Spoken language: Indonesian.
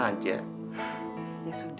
bapak tidak akan berpikir pikirkan sesuatu